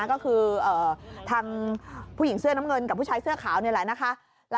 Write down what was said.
ก็คือทางผู้หญิงเสื้อน้ำเงินกับผู้ชายเสื้อขาวนี่แหละนะคะ